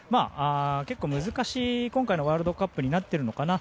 結構難しい今回のワールドカップになっているのかな。